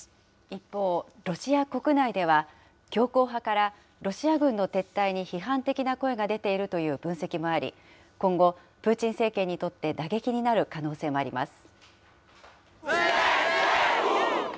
一方、ロシア国内では、強硬派からロシア軍の撤退に批判的な声が出ているという分析もあり、今後、プーチン政権にとって打撃になる可能性もあります。